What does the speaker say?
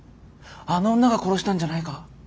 あの女が殺したんじゃないか。